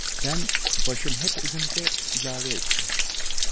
Ben, başım hep önümde, ilave ettim.